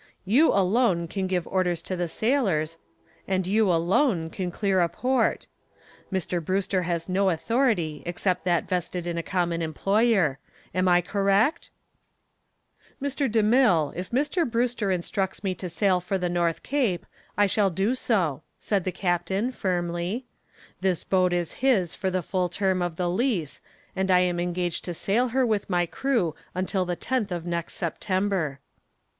You alone can give orders to the sailors and you alone can clear a port. Mr. Brewster has no authority except that vested in a common employer. Am I correct?" "Mr. DeMille, if Mr. Brewster instructs me to sail for the North Cape, I shall do so," said the captain, firmly. "This boat is his for the full term of the lease and I am engaged to sail her with my crew until the tenth of next September."